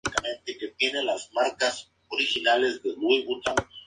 A partir de estas ecuaciones se pueden demostrar los teoremas de Mohr.